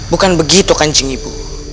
bukan begitu kancing ibu